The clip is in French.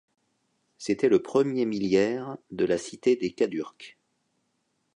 C'était le premier milliaire de la cité des Cadurques.